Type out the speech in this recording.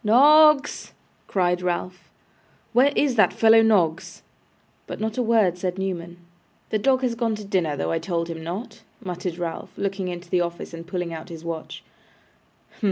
'Noggs!' cried Ralph, 'where is that fellow, Noggs?' But not a word said Newman. 'The dog has gone to his dinner, though I told him not,' muttered Ralph, looking into the office, and pulling out his watch. 'Humph!